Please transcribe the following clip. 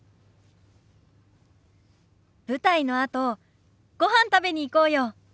舞台のあとごはん食べに行こうよ。